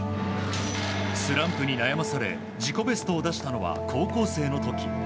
スランプに悩まされ自己ベストを出したのは高校生の時。